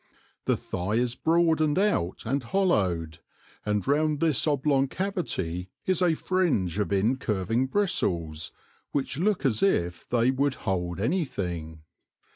The thigh is broadened out and hollowed, and round this oblong cavity is a fringe of incurving bristles which look as if they would hold anything.